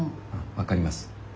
分かります。